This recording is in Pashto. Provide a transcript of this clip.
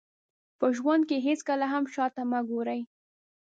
په ژوند کې هېڅکله هم شاته مه ګورئ.